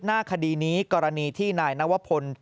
คดีนี้กรณีที่นายนวพล